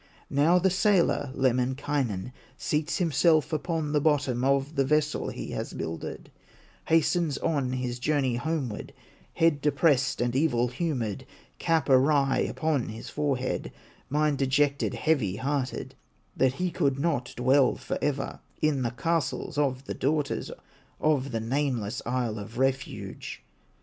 Now the sailor, Lemminkainen, Seats himself upon the bottom Of the vessel he has builded, Hastens on his journey homeward, Head depressed and evil humored, Cap awry upon his forehead, Mind dejected, heavy hearted, That he could not dwell forever In the castles of the daughters Of the nameless Isle of Refuge.